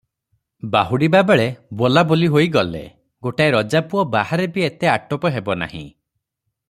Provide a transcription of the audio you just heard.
ବାହୁଡ଼ିବା ବେଳେ ବୋଲାବୋଲି ହୋଇ ଗଲେ, ଗୋଟାଏ ରଜାପୁଅ ବାହାରେ ବି ଏତେ ଆଟୋପ ହେବ ନାହିଁ ।